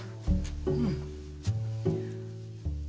うん。